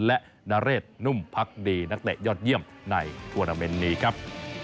และนเรศนุ่มพักดีนักเตะยอดเยี่ยมในทวนาเมนต์นี้ครับ